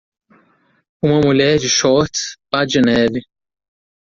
Uma mulher de shorts pá de neve.